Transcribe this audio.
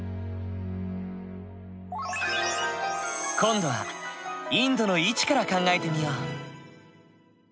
今度はインドの位置から考えてみよう。